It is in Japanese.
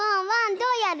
どうやるの？